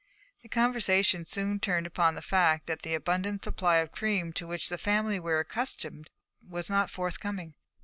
The conversation soon turned upon the fact that the abundant supply of cream to which the family were accustomed was not forthcoming.